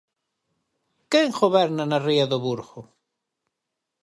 ¿Quen goberna na ría do Burgo?